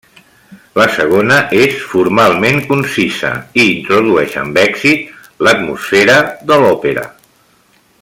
La segona és formalment concisa, i introdueix amb èxit l'atmosfera de l'òpera.